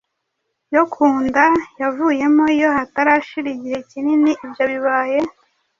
yo ku nda yavuyemo iyo hatarashira igihe kinini ibyo bibaye